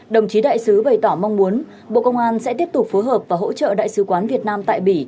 đồng chí đại sứ bày tỏ mong muốn bộ công an sẽ tiếp tục phối hợp và hỗ trợ đại sứ quán việt nam tại bỉ